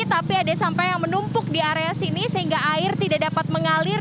tapi ada sampah yang menumpuk di area sini sehingga air tidak dapat mengalir